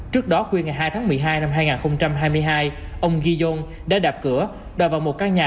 trước đó khuya ngày hai tháng một mươi hai năm hai nghìn hai mươi hai ông giyon đã đạp cửa đòi vào một căn nhà